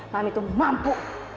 mami itu mampu